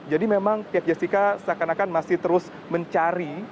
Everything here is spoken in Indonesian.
jadi memang pihak jessica seakan akan masih terus mencari